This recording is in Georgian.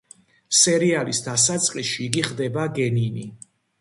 სერიალის დასაწყისში იგი ხდება გენინი.